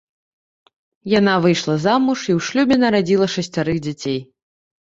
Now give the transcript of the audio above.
Яна выйшла замуж і ў шлюбе нарадзіла шасцярых дзяцей.